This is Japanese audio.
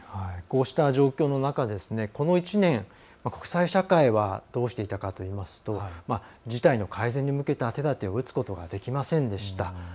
こうした状況の中この１年国際社会はどうしていたかといいますと事態の改善に向けた手だてを打つことができませんでした。